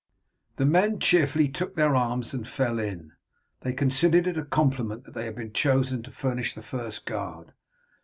The men cheerfully took their arms and fell in. They considered it a compliment that they had been chosen to furnish the first guard.